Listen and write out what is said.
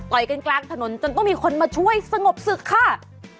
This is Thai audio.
กันกลางถนนจนต้องมีคนมาช่วยสงบศึกค่ะ